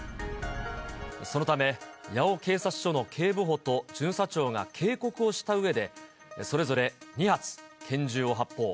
そのため、八尾警察署の警部補と巡査長が警告をしたうえで、それぞれ２発、拳銃を発砲。